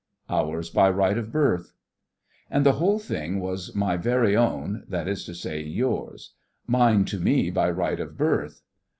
OURS BY RIGHT OF BIRTH And the whole thing was my very own (that is to say yours); mine to me by right of birth.